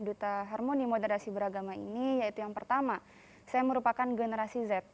duta harmoni moderasi beragama ini yaitu yang pertama saya merupakan generasi z